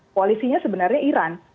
koalisinya sebenarnya iran